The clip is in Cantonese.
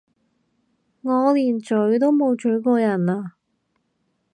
我連咀都冇咀過人啊！